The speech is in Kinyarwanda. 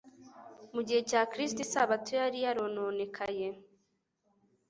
Mu gihe cya Kristo Isabato yari yarononekaye,